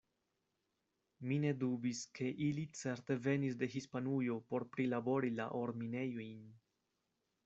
Mi ne dubis, ke ili certe venis de Hispanujo por prilabori la orminejojn.